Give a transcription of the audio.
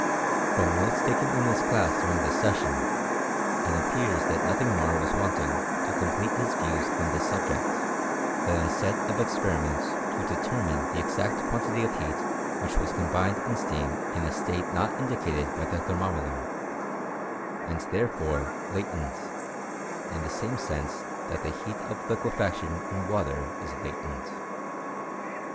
From notes taken in his class during this session, it appears that nothing more was wanting to complete his views on this subject, than a set of experiments to determine the exact quantity of heat which was combined in steam in a state not indicated by the thermometer, and there fore latent, in the same sense that the heat of lique faction in water is latent.